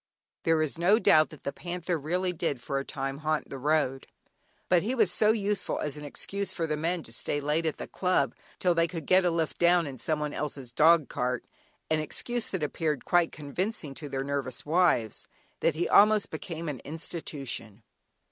There is no doubt that the panther really did for a time haunt the road, but he was so useful as an excuse for the men to stay late at the club till they could get a lift down in someone else's dog cart (an excuse that appeared quite convincing to their nervous wives) that he almost became an institution.